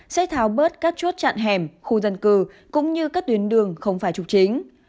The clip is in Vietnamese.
sẽ tháo bớt các chốt chặn hẻm khu dân cư cũng như các tuyến đường không phải trục chính